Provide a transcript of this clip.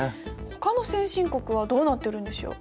ほかの先進国はどうなってるんでしょう。